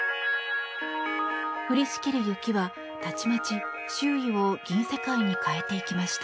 降りしきる雪はたちまち周囲を銀世界に変えていきました。